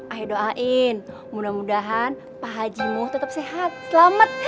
ayo doain mudah mudahan pak hajimu tetap sehat selamat